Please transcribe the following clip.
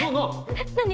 えっ何？